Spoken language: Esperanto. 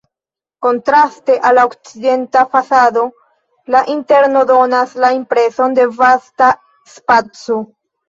Kontraste al la okcidenta fasado la interno donas la impreson de vasta spaco.